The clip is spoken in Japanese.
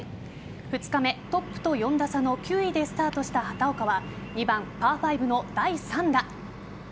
２日目トップと４打差の９位でスタートした畑岡は２番パー５の第３打。